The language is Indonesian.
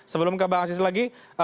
sebelum ke pak asis lagi